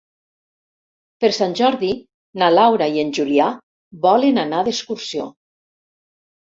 Per Sant Jordi na Laura i en Julià volen anar d'excursió.